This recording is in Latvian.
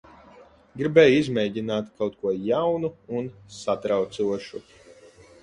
Gribēju izmēģināt kaut ko jaunu un satraucošu.